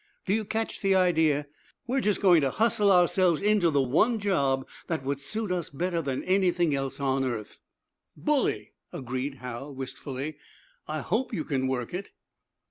Do you catch the idea? We're just going to hustle ourselves into the one job that would suit us better than anything else on earth!" "Bully!" agreed Hal, wistfully. "I hope you can work it."